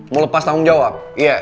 mau lepas tanggung jawab